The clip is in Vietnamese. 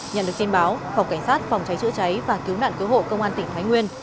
nhận được tin báo phòng cảnh sát phòng cháy chữa cháy và cứu nạn cứu hộ công an tỉnh thái nguyên